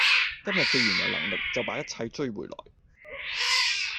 今天既然有能力，就把一切追回來！